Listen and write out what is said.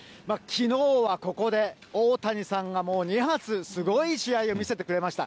きのうはここで、大谷さんがもう２発、すごい試合を見せてくれました。